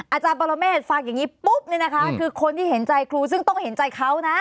อาจารย์ปรเมฆฟังอย่างนี้ปุ๊บเนี่ยนะคะคือคนที่เห็นใจครูซึ่งต้องเห็นใจเขานะ